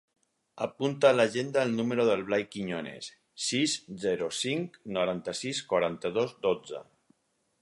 Apunta a l'agenda el número del Blai Quiñones: sis, zero, cinc, noranta-sis, quaranta-dos, dotze.